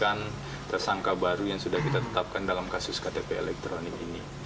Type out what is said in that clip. menetapkan tersangka baru yang sudah kita tetapkan dalam kasus ktp elektronik ini